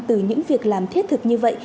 từ những việc làm thiết thực như vậy